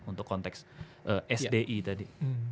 untuk konteks sdi tadi